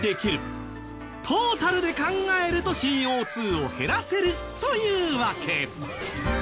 トータルで考えるとＣＯ２を減らせるという訳。